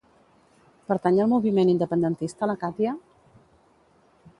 Pertany al moviment independentista la Catya?